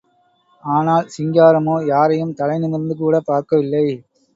ஆனால் சிங்காரமோ யாரையும் தலை நிமிர்ந்து கூடப் பார்க்கவில்லை.